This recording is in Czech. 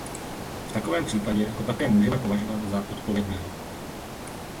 V takovém případě ho také můžeme považovat za odpovědného.